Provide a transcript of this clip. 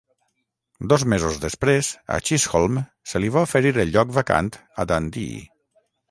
Dos mesos després, a Chisholm se li va oferir el lloc vacant a Dundee.